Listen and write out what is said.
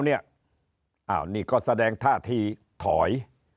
นี่ก็แสดงท่าทีถอย